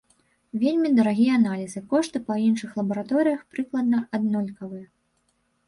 Вельмі дарагія аналізы, кошты па іншых лабараторыях прыкладна аднолькавыя.